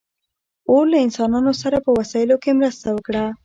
اور له انسانانو سره په وسایلو کې مرسته وکړه.